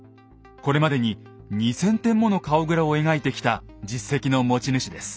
これまでに２，０００点もの顔グラを描いてきた実績の持ち主です。